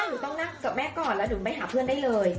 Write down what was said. หนูต้องนั่งกับแม่ก่อนแล้วหนูไปหาเพื่อนได้เลย